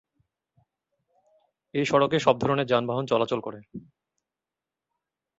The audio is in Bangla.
এ সড়কে সব ধরণের যানবাহন চলাচল করে।